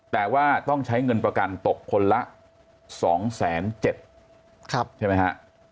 แต่ว่าต้องใช้เงินประกันตกคนละ๒๗๐๐ใช่ไหมฮะ